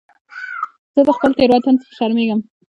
زه د خپلو تېروتنو څخه شرمېږم.